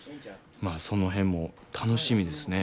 まあその辺も楽しみですね。